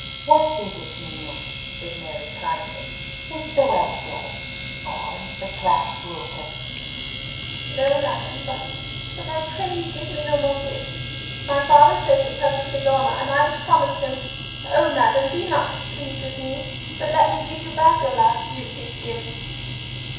"What is it, mignonne," said Mary, kindly; "is the whelp dead? or is the clasp broken?" "No, madam; but—but I pray you give me no more gifts. My father says it touches his honour, and I have promised him—Oh, madam, be not displeased with me, but let me give you back your last beauteous gift."